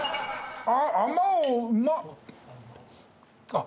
あっ！